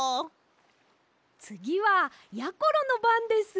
つぎはやころのばんです。